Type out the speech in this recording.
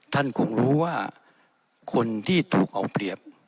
ท่านคงรู้ว่าคนที่ถูกเอาเปรียบ